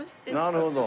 なるほど。